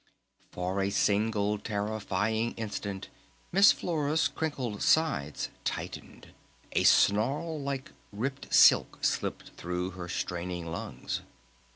For a single terrifying instant Miss Flora's crinkled sides tightened, a snarl like ripped silk slipped through her straining lungs.